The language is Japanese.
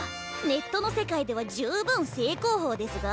ネットの世界では十分正攻法ですが？